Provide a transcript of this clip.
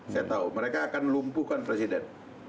saya tahu mereka akan lumpuhkan presiden